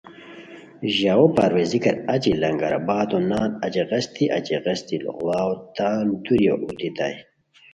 ژاؤو پرویزیکار اچی لنگر آبادو نان اچی غیستی اچی غیستی لوڑاؤ تان دُووری اوتیتائے